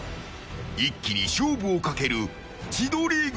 一気に勝負をかける千鳥軍。